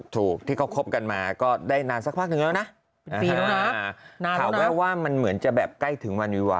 ถูกที่เขาคบกันมาก็ได้นานสักพักหนึ่งแล้วนะ